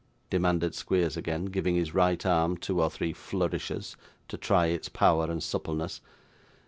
demanded Squeers again: giving his right arm two or three flourishes to try its power and suppleness.